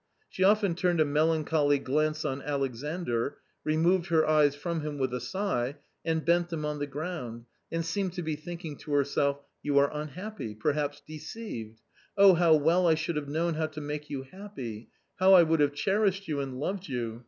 She often turned a melancholy glance on Alexandr, removed her eyes from him with a sigh, and bent them on the ground, and seemed to be thinking to herself, " You are unhappy, perhaps deceived. Oh, how well I should have known how to make you happy ; how I would have cherished you and loved you.